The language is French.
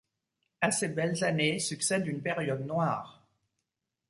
À ces belles années succède une période noire.